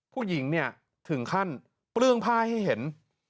ผู้หญิงเนี่ยถึงขั้นเปลื้องผ้าให้เห็น